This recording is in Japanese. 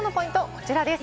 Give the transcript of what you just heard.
こちらです。